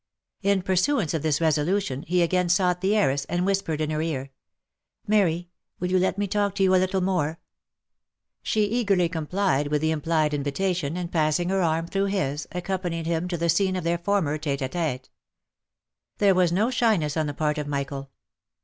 In pursuance of this resolution, he again sought the heiress, and whispered in her ear, ■' Mary !— will you let me talk to you a little more?" She eagerly complied with the implied in OF MICHAEL ARMSTRONG. 385 vitation, and passing her arm through his, accompanied him to the scene of their former ttte a ttte. There was no shyness on the part of Michael.